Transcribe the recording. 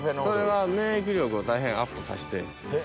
それが免疫力を大変アップさして。